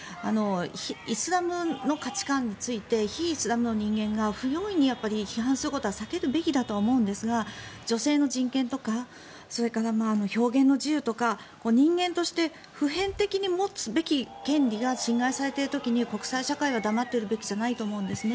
イスラムの価値観について非イスラムの人間が不用意に批判することは避けるべきだとは思うんですが女性の人権とかそれから、表現の自由とか人間として普遍的に持つべき権利が侵害されている時に国際社会は黙っているべきではないと思うんですね。